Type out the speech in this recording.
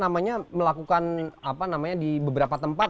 melakukan di beberapa tempat